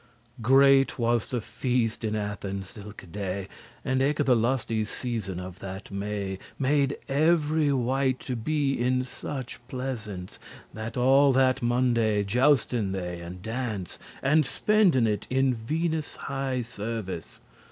Great was the feast in Athens thilke* day; *that And eke the lusty season of that May Made every wight to be in such pleasance, That all that Monday jousten they and dance, And spenden it in Venus' high service.